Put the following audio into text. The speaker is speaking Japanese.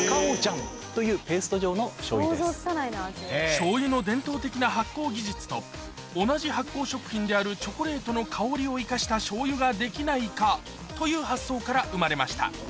醤油の伝統的な発酵技術と同じ発酵食品であるチョコレートの香りを生かした醤油ができないか？という発想から生まれました